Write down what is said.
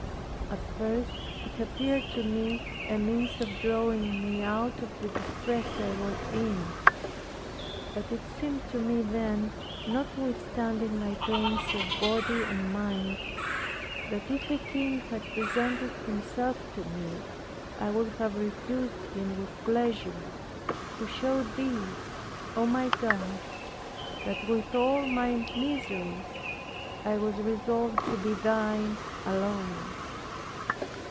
At first it appeared to me a means of drawing me out of the distress I was in. But it seemed to me then notwithstanding my pains of body and mind, that if a king had presented himself to me, I would have refused him with pleasure, to show thee, O my God, that with all my miseries I was resolved to be thine alone.